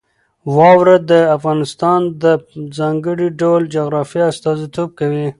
واوره د افغانستان د ځانګړي ډول جغرافیه استازیتوب کوي.